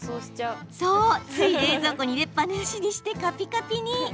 つい冷蔵庫に入れっぱなしにしてかぴかぴに。